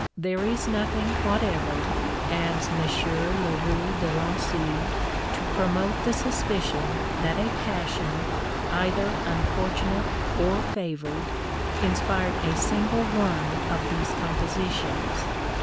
There is nothing whatever, adds M. Le Roux de Lincy, to promote the suspicion that a passion, either unfortunate or favoured, inspired a single one of these compositions.